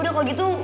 udah kalau gitu